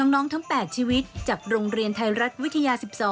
ทั้ง๘ชีวิตจากโรงเรียนไทยรัฐวิทยา๑๒